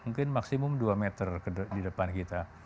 mungkin maksimum dua meter di depan kita